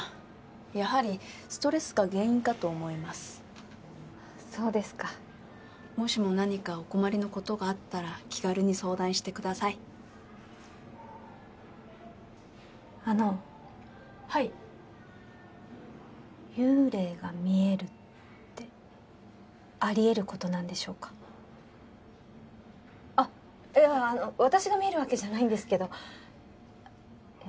やはりストレスが原因かと思いますそうですかもしも何かお困りのことがあったら気軽に相談してくださいあのはい幽霊が見えるってありえることなんでしょうかあっいやいやあの私が見えるわけじゃないんですけどいや